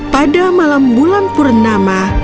pada malam bulan purnama